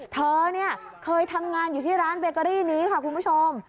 เธอเนี่ยเคยทำงานอยู่ที่ร้านเบเกอรี่นี้ค่ะคุณผู้ชม